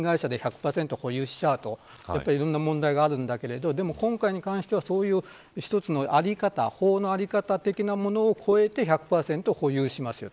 一人会社で１００％保有してはといろんな問題があるんだけどでも今回に関しては一つの在り方法の在り方的なものを超えて１００％保有しますよ。